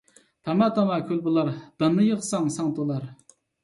تاما - تاما كۆل بولار ، داننى يىغساڭ ساڭ تولار.